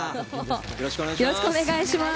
よろしくお願いします。